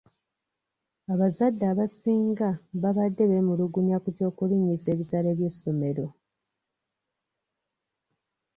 Abazadde abasinga b'abadde bemulugunya ku ky'okulinyisa ebisale by'essomero.